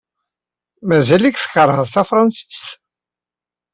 Mazal-ik tkeṛhed tafṛensist?